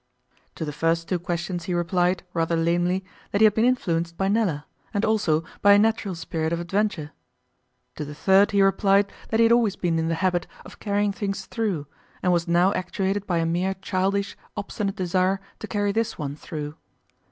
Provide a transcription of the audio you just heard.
To the first two questions he replied, rather lamely, that he had been influenced by Nella, and also by a natural spirit of adventure; to the third he replied that he had always been in the habit of carrying things through, and was now actuated by a mere childish, obstinate desire to carry this one through.